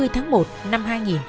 tháng một năm hai nghìn một mươi hai